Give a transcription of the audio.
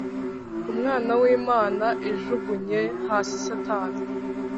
Umwana w Imana ijugunye hasi satani